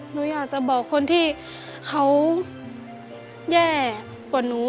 หนูอยากจะบอกคนที่เขาแย่กว่าหนู